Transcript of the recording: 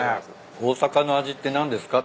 大阪の味って何ですか？